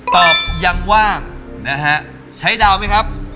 ตอบยังว่างนะฮะใช้ดาวไหมครับ